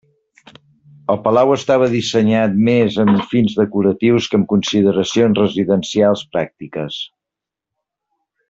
El palau estava dissenyat més amb fins decoratius que amb consideracions residencials pràctiques.